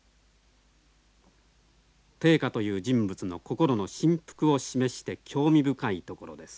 定家という人物の心の振幅を示して興味深いところです。